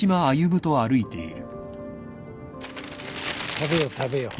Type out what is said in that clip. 食べよう食べよう